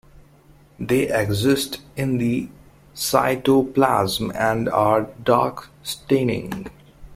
They exist in the cytoplasm and are dark staining.